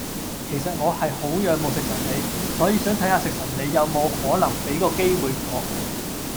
其實我係好仰慕食神你，所以想睇嚇食神你有冇可能畀個機會我